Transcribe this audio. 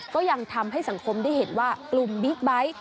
ก็ยังทำให้สังคมได้เห็นว่ากลุ่มบิ๊กไบท์